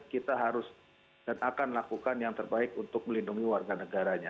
kita harus dan akan lakukan yang terbaik untuk melindungi warga negaranya